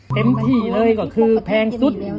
เต็มที่เลยก็คือแพงสุด